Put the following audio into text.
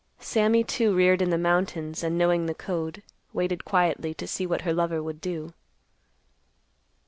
Sammy, too, reared in the mountains, and knowing the code, waited quietly to see what her lover would do.